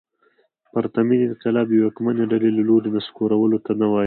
پرتمین انقلاب د یوې واکمنې ډلې له لوري نسکورولو ته نه وايي.